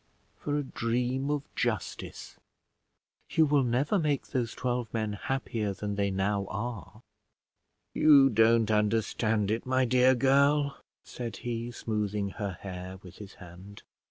For a dream of justice. You will never make those twelve men happier than they now are." "You don't understand it, my dear girl," said he, smoothing her hair with his hand.